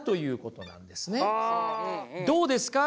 どうですか？